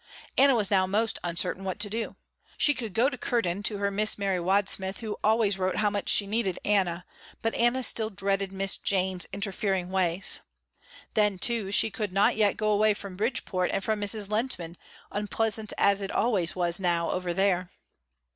Anna was now most uncertain what to do. She could go to Curden to her Miss Mary Wadsmith who always wrote how much she needed Anna, but Anna still dreaded Miss Jane's interfering ways. Then too, she could not yet go away from Bridgepoint and from Mrs. Lehntman, unpleasant as it always was now over there.